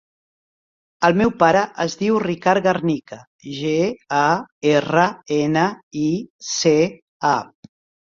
El meu pare es diu Ricard Garnica: ge, a, erra, ena, i, ce, a.